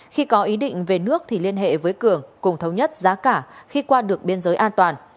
khi có ý định về nước thì liên hệ với cường cùng thống nhất giá cả khi qua được biên giới an toàn